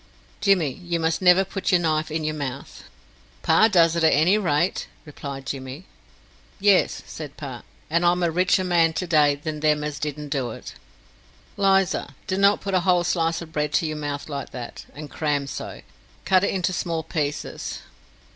"Jimmy, you must never put your knife in your mouth." "Pa does at any rate," replied Jimmy. "Yes," said pa; "and I'm a richer man today than them as didn't do it." "Liza, do not put a whole slice of bread to your mouth like that, and cram so. Cut it into small pieces."